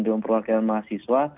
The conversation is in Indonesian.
diumum perwakilan mahasiswa